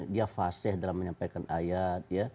dia faseh dalam menyampaikan ayat